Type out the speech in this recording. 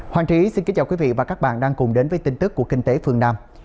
hoàng trí xin kính chào quý vị và các bạn đang cùng đến với tin tức của kinh tế phương nam